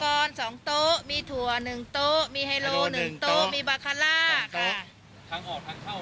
ตอนสองโต๊ะมีถั่วหนึ่งโต๊ะมีฮาโนนึงโต๊ะมีมาคาร์ล่าคะ